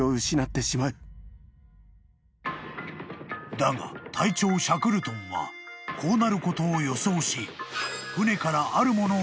［だが隊長シャクルトンはこうなることを予想し船から］